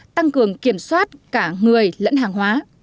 tăng cường kiểm soát cả người lẫn hàng hóa